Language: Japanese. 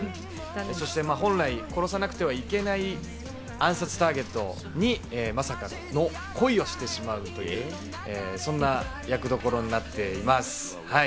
そして本来、殺さなくてはいけない暗殺ターゲットにまさかの恋をしてしまうという、そんな役どころになっています。